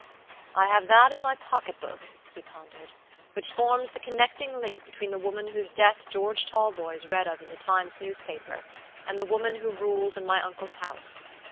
"I have that in my pocket book," he pondered, "which forms the connecting link between the woman whose death George Talboys read of in the Times newspaper and the woman who rules in my uncle's house.